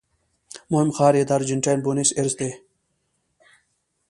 مهم ښار یې د ارجنټاین بونس ایرس دی.